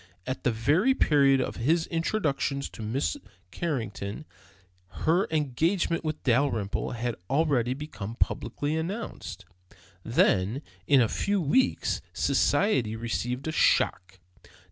At the very period of his introduction to Mrs. Carrington her engagement with Dalrymple had already become publicly announced. Then, in a few weeks, society received a shock.